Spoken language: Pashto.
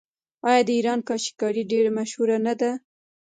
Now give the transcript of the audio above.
آیا د ایران کاشي کاري ډیره مشهوره نه ده؟